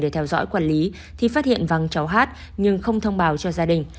để theo dõi quản lý thì phát hiện vắng cháu hát nhưng không thông báo cho gia đình